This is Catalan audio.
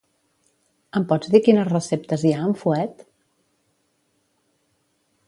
Em pots dir quines receptes hi ha amb fuet?